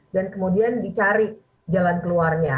dan kemudian dicari jalan keluarnya